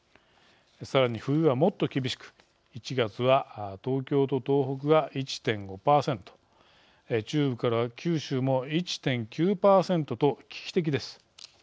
さらに、冬はもっと厳しく１月は東京と東北が１．５％中部から九州も１．９％と危機的です。